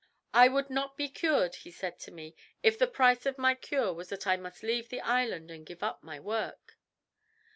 "I would not be cured," he said to me, "if the price of my cure was that I must leave the island and give up my work."